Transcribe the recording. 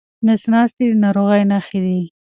نس ناستي د ناروغۍ نښې دي.